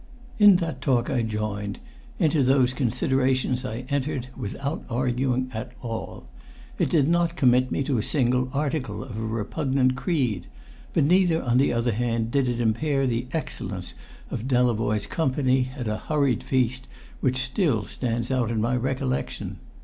In that talk I joined, into those considerations I entered, without arguing at all. It did not commit me to a single article of a repugnant creed, but neither on the other hand did it impair the excellence of Delavoye's company at a hurried feast which still stands out in my recollection.